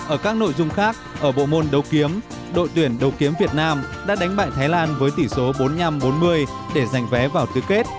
ở các nội dung khác ở bộ môn đấu kiếm đội tuyển đầu kiếm việt nam đã đánh bại thái lan với tỷ số bốn mươi năm bốn mươi để giành vé vào tứ kết